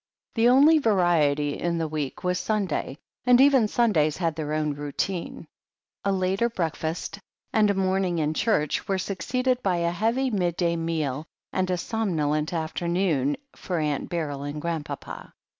The only variety in the week was Sunday, and even Sundays had their own routine. A later breakfast and a morning in church were succeeded by a heavy midday meal and a somnolent afternoon for Aunt Beryl and Grandpapa.